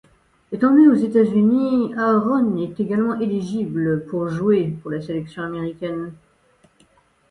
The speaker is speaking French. Étant né aux États-Unis, Aron est également éligible pour jouer pour la sélection américaine.